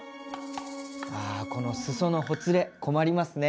あこのすそのほつれ困りますね。